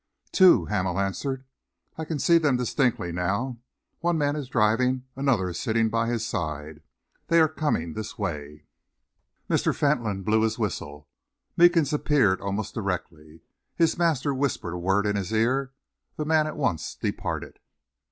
"Two," Hamel answered. "I can see them distinctly now. One man is driving, another is sitting by his side. They are coming this way." Mr. Fentolin blew his whistle. Meekins appeared almost directly. His master whispered a word in his ear. The man at once departed.